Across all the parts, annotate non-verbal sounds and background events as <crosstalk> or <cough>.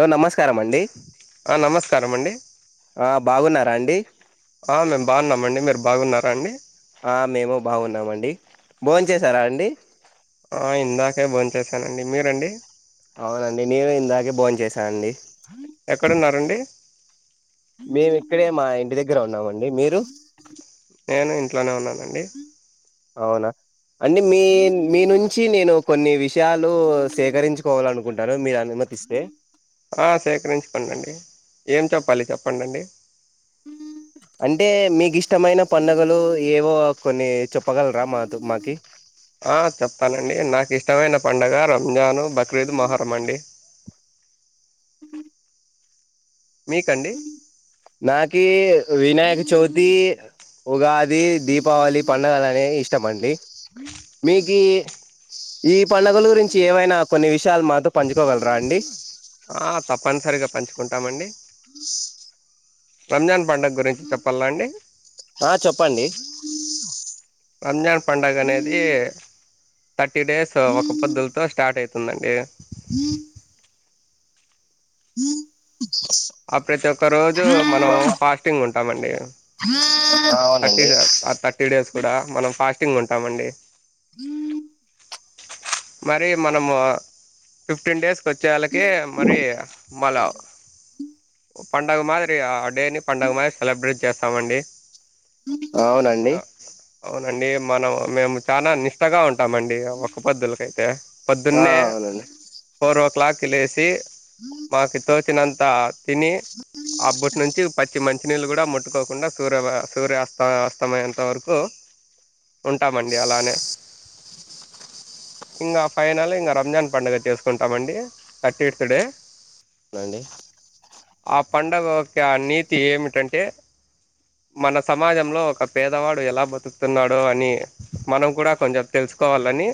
Hello నమస్కారం అండి ఆ నమస్కారం అండి ఆ బాగున్నారా అండి ఆ మేము బాగున్నామండి మీరు బాగున్నారా అండి ఆ మేము బాగున్నాము అండి బోన్ చేసారా అండి చేశానండి మీరండి అవునండి నేను ఇందాకే భోన్ చేసానునండి ఎక్కడున్నారండి మేము ఇక్కడే మా ఇంటి దగ్గర ఉన్నామండి మీరు నేను ఇంట్లోనే ఉన్నాను అవునా అంటే మీ మీ నుంచి నేను కొన్ని విషయాలు సేకరించుకోవాలనుకుంటాను మీరు అనుమతిస్తే ఆ సేకరించుకోంండి ఏం చెప్పాలి చెప్పండండి అంటే మీకు ఇష్టమైన పడుగలు ఏవో కొన్ని చెప్పగలరా మా మాకి ఆ చెప్తానండి నాకు ఇష్టమైన పండుగ రంజాను బక్రీద్ మొహరం అండి మీకండి నాకి వినాయక చౌరి ది ఉగాది దీపావళి పంండగలు అనేవి ఇష్టమండి మీకు ఈ పండుగల గురించి ఏవైనా కొన్ని విషయాలు మాతో పంచుకోగలరా అండి ఆ తప్పనుసరిగా పంచుకుంట రామండి రంజాన్ పండుగ గురించి చెప్పల్నండి ఆ చెప్పండి రంజాన్ పండగ అనేది థర్టీ డేస్ ఒక పొద్దులతో స్టార్ట్ అవుతుందండి ఆ ప్రతి ఒక్క రోజు మనం ఫాస్టింగ్ ఉంటామండి థర్టీ అవునండి సర్ టీ డేస్ కూడా మనం ఫాస్టింగ్ ఉంటామండి మరి మనము ఫిఫ్టీన్ డేస్కి వచ్చే వాళ్కి మరి మలా పండుగ మాదిరి ఆ డేని పండుగ మాదిరి సెలబ్రేట్ చేస్తామండి అవునండి అవునండి మనం మేము చాలా నిష్టగా ఉంటాం ట్టమండి ఒక పద్దులకై క ఆ పద్దుొన్నే అవునండి ఫోర్ ఓ క్లాలాక్ కి లేసి మాకితో చినంత తిని ఆ బొట్ నుంచి పచ్చి మంచి మంచినీళ్ళు కూడా ముట్టుకోకుండా సూర్య సూర్యాస్తస్తమయంత వరకు ఉంటామండి అలానే ఇంకా ఫైనల్ ఇంకా రంజాన్ పడుగ చేసుకుంటామండి థర్టీ ఎత్ డే అవునండి ఆ పడుగ యొక్క నీతి ఏమిటంటే మన సమాజంలో ఒక పేదవాడు ఎలా బతుకుతున్నాడో అని మనం కూడా కొంచెం తెలుసుకోవాలని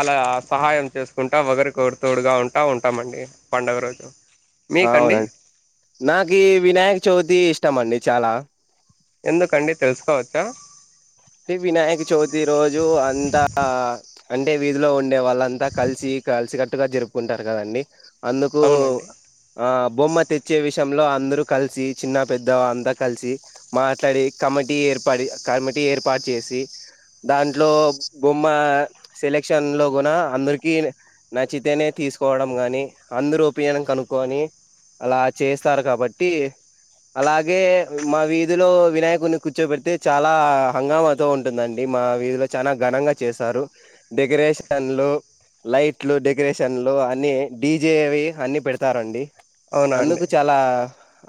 అలా సహాయం చేసుకుంటా ఒకరి కోరి తడుగా ఉంటా ఉంటామండి పండుగ రోజు మీకండి అవునండి నాకు వినాయక చవితి ఇష్టం అండి చలా ఎందుకండి తెలుసుకోవచ్చా వినాయక చవితి రోజు అంతా అంటే వీధిలో ఉండే వాళ్ళంతా కలిసి కలిసికట్టుగా జరుపుకుంటారు కదండి అందుకూ అవునండి ఆ బొమ్మ తెచ్చే విష లో అందరు కలిసి చిన్న పెద్ద అంతా కలిసి మాట్లాడి కమిటీ ఏర్పడి కమి ఏర్పాటు చేసి దాంట్లో బొమ్మ సెలక్షన్ లో గున అందరికీన్ నచ్చితేనే తీసుకోవడం గానీ అందరు ఒపీయన్ కనుక్కొని లా చేస్సారు. కాబట్టి అలాగే మా వీధిలో వినాయకుని కూర్చోబెడితే చాలా హంగామతో ఉంటుందండి. మా వీధలో చానా ఘనంగా చేస్సారు. డెకరేషన్లు, లైట్లు, డెకరేషన్లు అన్ని డీజే వి అన్ని పెడతారండి. అవునా అండి అందుకు చాలా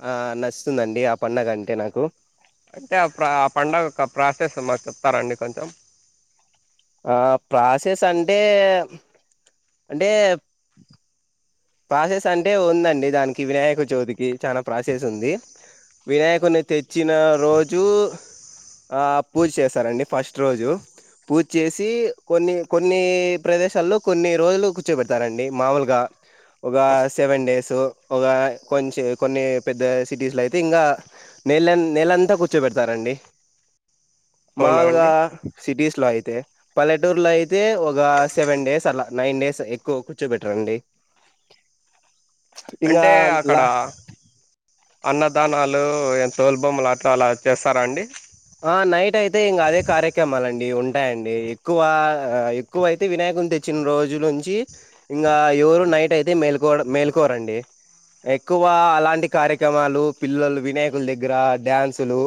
ఆ నస్సుందండి, ఆ పండగ అంటే నాకు అంటే అపుడ ఆ పండక, ఆ ప్రాసెస్ మాక్ చెప్తారండి. కొంచెం ఆ ప్రాసెస్ అంటే అంటే ప్రాసెస్ అంటే ఉందండి. దానికి వినాయక చోతికి, చానా ప్రాసెస్ ఉంది. వినాయకుని తె చ్చిన రోజు ఆ పూజ చేసారండి. ఫస్ట్ రోజు, పూజ చేసి కొన్ని కొన్నీ ప్రదేశాల్లో కొన్ని రోజులు కూర్చోబెడతారండి. మాముూలుగా ఒక సెవెన్ డేస్, ఒక కొంచ్ కొన్ని పెద్ద సిటీస్లయితే, ఇంగా నేలం నేలంతా కూర్చోబెడతారండి. అవునా మాల్గా అండి సిటీస్ లా అయితే పల్లెటూర్ లో అయితే, ఒగ సెవెన్ డేస్ అలా నైన్ డేస్ ఎక్కువ కూర్చోబెట్టర్ అండి. ఇంగా అంటే అక్కడ లా అన్నదానాలు ఎంతోల్ బొమ్మలాట్ల అలా చేస్సారా అండి. ఆ నైట్ అయితే ఇంకా అదే కార్యక్రమాలండి. ఉన్ ఉంటాయండి, ఎక్కువ ఎక్కువయితే వినాయకుని తెచ్చిన రోజు నుంచి ఇంగా, ఎవరు నైట్ అయితే మేల్కోడం, మేల్కోరండి ఎక్కువ అలాంటి కార్యక్రమాలు పిల్లలు వినాయకుల దగ్గర డ్యాన్సులు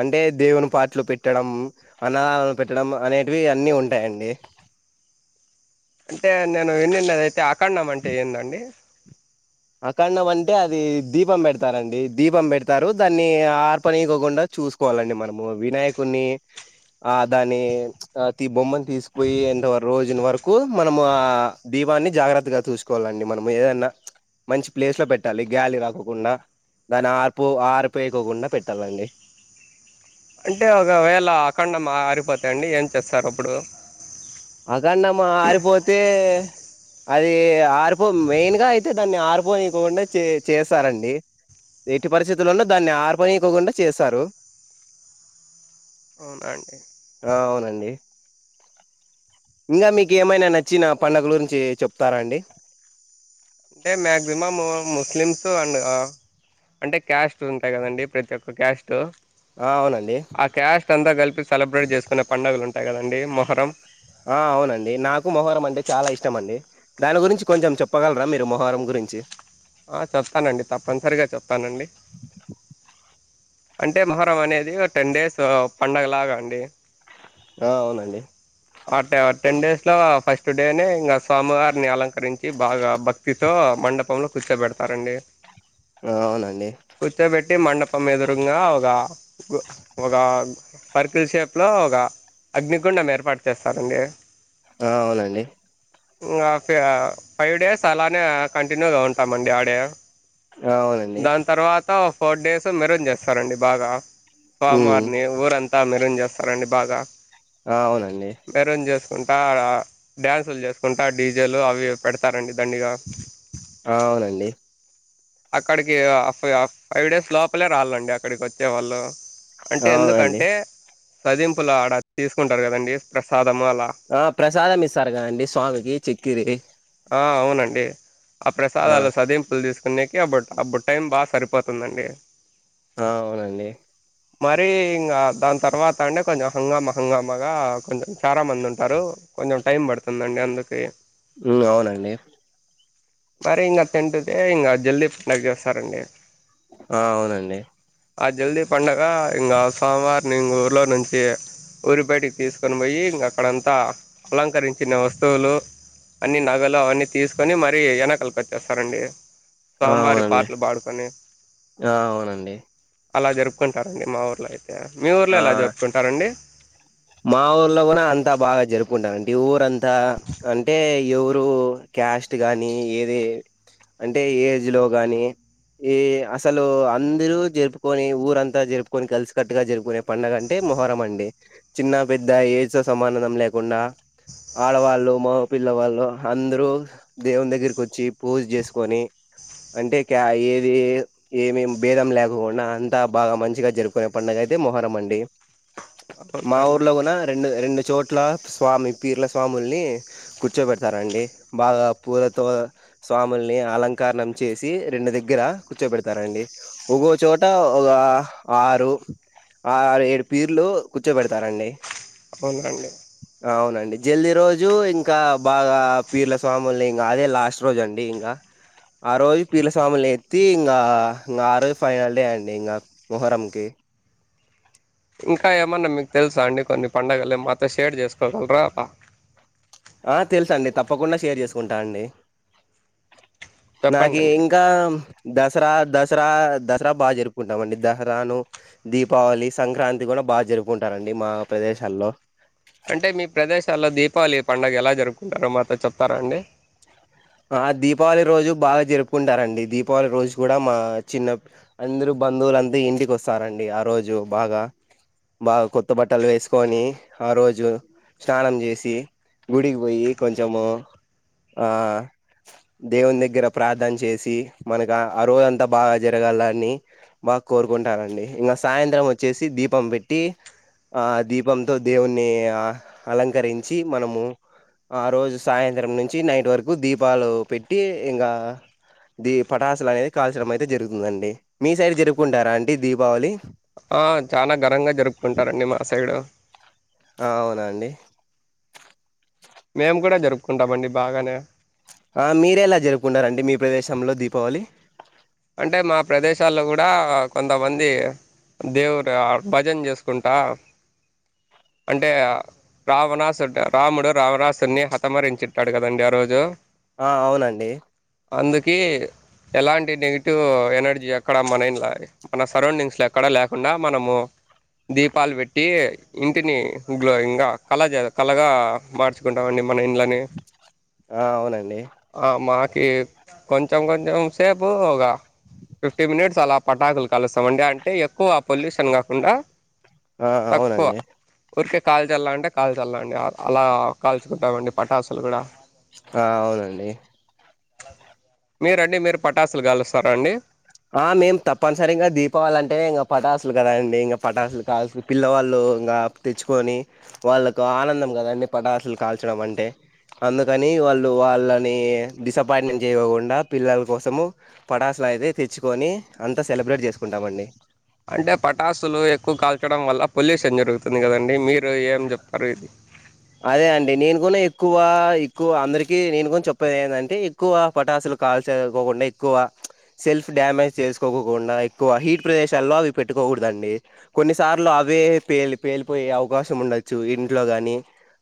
అంటే దేవుని పాటలు పెట్టడం. అనదాలు పెట్టడం అనేవి అన్ని ఉంటాయండి. అంటే నేను ఇన్నెన్నదయితే ఆ కన్నాం అంటే ఏందండి. అఖంనం అంటే అది దీపం పెడతారండి. దీపం పెడతారు, దాన్ని ఆర్పనికోకుండా చూసుకోవాలండి, మనము వినాయకుని ఆ దాన్ని చ్ అ తి బొమ్మను తీసుపోయి, ఎంతవర్ రోజును వరకు మనము, ఆ దీపాన్ని జాగ్రత్తగా చూసుకోలండి, మనము ఏదన్నా మంచి ప్లేస్ లో పెట్టాలి. గ్యలి రాకోకుండా దాని ఆర్పు ఆర్పోయకోకుండా పెట్టాలండి. అంటే ఒకవేళ అఖండం అరిపోతె అండి ఏం చేస్సారు. అప్పుడు అంకండం ఆరిపోతే అది ఆర్పో మెయిన్ గా అయితే దాన్ని ఆర్పోనికోకుండా చే చేస్సారండి. ఎట్టి పరిస్థితులున్నా దాన్ని ఆర్పోనికోకుండా చేస్సారు. అవున అండి. ఇంగా మీకెమైనా నచ్చిన పండగలు గురించి చెప్తారా అండి. అంటే మ్యాక్సిమమ్ ముస్లిమ్స్ అండ్ అ అంటే క్యాస్ట్ ఉంటాయ్ కదండడి, ప్రతొక్క క్యాస్ట్ ఆ అవునండి ఆ క్యాష్టంతా కలిపి సెలబ్రేట్ చేసుకునే పండుగలు అంతె ఆ అవునండి. నాకు మొహరం అంటే చాలా ఇష్టం అండి. దాని గురించి కొంచెం చెప్పగలరా, మీరు మొహరం గురించి ఆ చెప్తానండి. తప్పనిసరిగా చెప్తానండి. అంటే మొహరం అనేది. టెన్ డేస్ పండగలాగా అండి. ఆ అవునండి ఆ టె టెన్ డేస్ లో ఫస్ టుడేనే ఇంగా స్వామివారిని అలంకరించి, బాగా భక్తితో మండపంలో కూర్చోబెడతారండి. ఆ అవునండి టే మండపం ఏదొ కుంగా ఒగా ఒకా సర్కిల్ షేప్లో ఒక అగ్నిగుండం ఏర్పాటు చేస్తారండి ఆ అవునండి ఇంగా ఫైవ్ డేస్ అలానే కంటిన్యూగా ఉంటామండి ఆడే ఆ అవునండి దాని తర్వాత ఫోర్ డేస్ మెరుంజె సరండి బాగా ఉమ్ ఫామార్ని ఊరంతామె చేస్తారండి బాగా ఆ అవునండి కుంటా ఆడ డ్యాన్సులు చేసుకుంటా డీజేలు అవి పెడతారండి దండిగా ఆ అవునండి అక్కడికి ఫైవ్ డేస్ లోపలే రాలండి అక్కడికొచ్చే వాళ్ళు అంటే ఆ అవునండి ఎందుకంటే సదింపులా ఆడ తీసుకుంటారు కదండి ప్రసాద్ ఆ ప్రసాదం ఇస్తారు కదండి స్వామికి చిక్కిరి ఆ అవునండి ఆ ప్రసాదాల సదింపుల్ తీస్ న్నీకి ఆ బట్ ఆ బుట్ టైం బాగా సరిపోతుందండి ఆ అవునండి మరీ ఇంగా దాని తర్వాత అంటే కొంచెం హంగామా హంగామాగా కొంచెం చాలా మంది ఉంటారు. కొంచెం టైం పడుతుందండి అందుకే ఉమ్ అవునండి మరీ ఇంగ తెంటుదే ఇంగ జల్దీ <unintelligible> చేస్తారండి ఆ అవునండి ఆ జల్దీ పండగ ఇంగా సోమవారంని ఊర్లో నుంచి ఊరి బయటకి తీసుకొని పోయి ఇంగ అక్కడంతా అలంకరించిన వస్తువులు అన్నీ నగలు అవన్నీ తీసుకొని మరీ వెనకాల కట్టేస్తారండి ఆ అవునండి ఆ అవునండి అలా జరుపుకుంటారండి మా ఊర్లో అయిత్ మీ ఊర్లో ఆ ఎలా జరుపుకుంటారండి మా ఊర్లో కూడా అంతా బాగా జరుపుకుంటారండీ ఊరంత్ త అంటే ఎవరూ క్యాస్ట్ గాని ఏది అంటే ఏజ్ లో గాని, ఈ అసలు అందరూ జరుపుకొని ఊరంతా జరుపుకొని కలిసికట్టుగా జరుపుకునే పండుగ అంటే మొహరం అండి చిన్న పెద్ద ఏజ్ తో సమాందం లేకుండా ఆడవాళ్ళు మొగపిల్లవాళ్ళు అందరూ దేవుని దగ్గరకి వచ్చి పూజ చేసుకొని అంటే ఏది ఏమి భేదం లేకుండా అంతా బాగా మంచిగా జరుపుకునే పండుగ అయితే మొహరం అండి మా అవునండి ఊర్లో కూనా రెండు రెండు చోట్ల స్వామి పీర్ల స్వాముల్ని కూర్చోబెడతారండి. బాగా పూలతో స్వాముల్ని అలంకరణం చేసి రెండు దగ్గర కూర్చోబెడతారండి ఒక్కోచోట ఒక ఆరు ఆరు ఏడు పీర్లు కు ర్చో పెడతారండి అవున్ అండి జర్నీ రోజు ఇంకా బాగా పీర్ల స్వాముల్ని ఇం అదే లాస్ట్ రోజు అండి. ఇంగ ఆ రోజు పీర్ల స్వాముల్ని ఎత్తి ఇంగా ఇం ఆ రోజు ఫైనల్ డే అండి ఇంకా మొహరం కి ఇంకా ఏమన్నా మీకు తెలుసా అండి, కొన్ని పండగలు ఏ మాతో షేర్ చేసుకోగలరా అలా ఆ తెలుస్ అండి, తప్పకుండా షేర్ చేసుకుంటా అండి. నాగే చెప్పండండి ఇంకా దసరా దసరా దసరా బాగా జరుపుకుంటామండి. దసరాను దీపావళి సంక్రాంతి కూడా బాగా జరుపుకుంటారంండి మా ప్రదేశాల్లో అంటే మీ ప్రదేశాల్లో దీపావళి పండుగ ఎలా జరుపుకుంటారో మాతో చెప్తారా అండి. ఆ దీపావళి రోజు బాగ్ జరుపుకుంటారండి దీపావళి రోజు కూడా మా చిన్న అందరు బంధువులంతా ఇంటికి వస్తారండి. ఆ రోజు బాగా, బాగా కొత్త బట్టలు వేసుకొని ఆ రోజు స్నానం చేసి గుడికి పోయి కొంచెము ఆ దేవుని దగ్గర ప్రార్థన చేసి మనకు ఆ రోజ అంతా బాగా జరగాలని బాగా కోరుకుంటానండి, ఇంకా సాయంత్రం వచ్చేసి దీపం పెట్టి, ఆ దీపంతో దేవుణి ఆ అలంకరించి మనము ఆ రోజు సాయంత్రం నుంచి నైట్ వరకు దీప్ దీపాలు పెట్టి ఇంగా దీ పటాసలు అనేది కాల్చడం అయితే జరుగుతుందండి. మీ సైడ్ జరుపుకుంటారా అంటడి దీపావళి? ఆ చానా ఘనంగా జరుపుకుంటారండి మా సైడు అవునాండి మేము కూడా జరుపుకుంటామండి బాగానే ఆ మీర్ ఎలా జరుపుకుంటారంండి మీ ప్రదేశంలో దీపావళి? అంటే మా ప్రదేశాల్లో కూడా కొంతమంది దేవుడు భజన చేసుకుంటా, అంటే రావణాసుడు రాముడు రావణాసుడిని హతమరించిుట్టాడు కదండడి ఆ రోజు ఆ అవునండి అందుకే ఎలాంటి నెగిట్ టివ్ ఎనర్జీ అక్కడ మన ఇం మన సరౌండింగ్స్ లో ఎక్కడ లేకుండా, మనము దీపాలు పెట్టి ఇంటిని గ్లోయింగ్ గా కల కలగా మార్చుకుంటాం అండి. మన ఇళ్లని ఆ అవునండి మాక్ కే కొంచెం కొంచెం సేపుగా ఫిఫ్టీ మినిట్స్ అలా పటాకులు కలుస్తాంండి అంటే ఎక్కువ పొల్యూషన్ కాకుండా ఆ తక్కువ అవునండి ఊరికే కాల్ చల్ల అంటే కాల్ చల్లండి, అలా కాల్చుకుంటామండి పటాసులు కూడా ఆ అవునండి మీరండి మీరు పటాసులు కాలుస్ రండి ఆ మేము తప్పనిసరిగా దీపావళి అంటే ఇగ పట అసలు కదాండి. ఎ పటాసులు కాల్చి పిల్లవాళ్ళు <unintelligible> తెచ్చుకొని వాళ్లకు ఆనందం కదండీ పటాసులు కాల్చదాం అంటే అందుకని వాళ్ళు వాళ్ళని డిసప్పాయింట్మెంట్ చేయకుండా, పిల్లల కోసము పటాసులు అయితే తెచ్చుకొని అంతా సెలబ్రేట్ చేసుకుంటామండి. అంటే పటాసులు ఎక్కువ కాల్చడం వల్ల పొల్యూషన్ జరుగుతుంది కదండి మీరు ఏం చెప్తారు ఇది అదే అండి నేను కూడా ఎక్కువ ఎక్కువ అందరికీ నేను కూడా చెప్పేది ఏంటంటే, ఎక్కువ పటాసులు కాల్చదుకోకుండా ఎక్కువ సెల్ఫ్ డ్యామేజ్ చేసుకోకోకుండా, ఎక్కువ హీట్ ప్రదేశాల్లో అవి పెట్టుకోకూడదండి కొన్నిసార్లు అవే పేలి పేలిపోయే అవకాశం ఉండొచ్చు ఇంట్లో కాని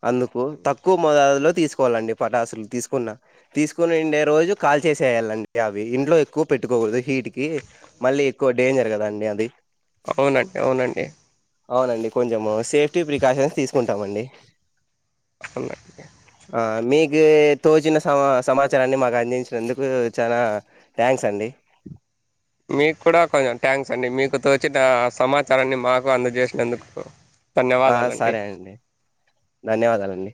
అందుకు తక్కువ మొదాదులో తీసుకోవాలండి పటాసులు తీసుకున్న తీసుకుని ఉండే రోజు కాల్ చేసేయాలిండి, అవి ఇంట్లో ఎక్కువ పెట్టుకోకూడదు హీట్ కి మళ్ళీ ఎక్కువ డేంజర్ కదాండి అది అవునండి అవునండి అవునండి కొంచెం సేఫ్టీ ప్రికాషన్స్ తీసుకుంటామ్ అండి అవునండి ఆ మీ ఏతో తోచిన సమా సమాచారాన్ని మాకు అందించినందుకు చాలా థ్యాంక్స్ అండి. మీకు కూడా కొంచెం థ్యాంక్స్ అండి. మీకు తోచిన సమాచారాన్ని మాకు అందజేసినందుకు. ఆ ధన్యవాదాలండి సరే అండి ధన్యవాదాలండి.